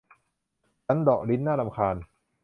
ฉันเดาะลิ้น น่ารำคาญ